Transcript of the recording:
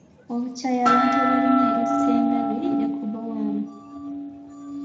Obukyaayi abantu bwe balina eri Ssengabi Lecoboam.